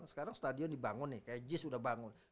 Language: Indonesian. sekarang stadion dibangun nih kayak jis udah bangun